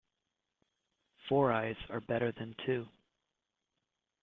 Four eyes are better than two.